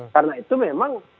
karena itu memang